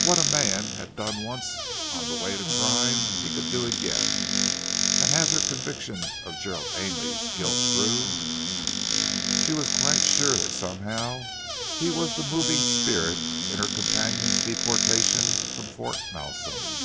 What a man had done once on the way of crime, he could do again, and as her conviction of Gerald Ainley's guilt grew, she was quite sure that somehow he was the moving spirit in her companion's deportation from Fort Malsun.